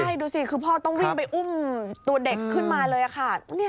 ใช่ดูสิคือพ่อต้องวิ่งไปอุ้มตัวเด็กขึ้นมาเลยค่ะ